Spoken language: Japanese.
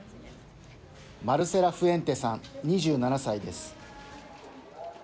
マルセラ・フエンテさん２７歳です。